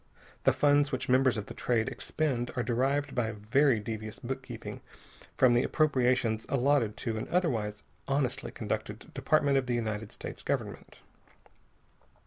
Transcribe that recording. The funds which members of the Trade expend are derived by very devious bookkeeping from the appropriations allotted to an otherwise honestly conducted Department of the United States Government.